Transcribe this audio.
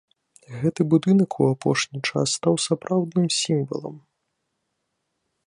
Гэты будынак у апошні час стаў сапраўдным сімвалам.